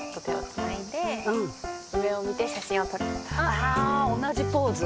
あぁ同じポーズ。